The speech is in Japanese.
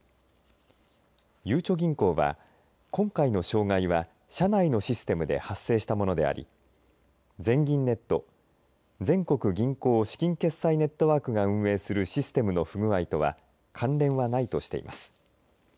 ゆうちょ銀行は、今回の障害は社内のシステムで発生したものであり全銀ネット全国銀行資金決済ネットワークが運営するシステムの不具合とは関連はないとしています。